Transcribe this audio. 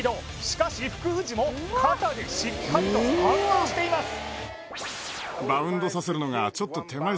しかし福藤も肩でしっかりと反応しています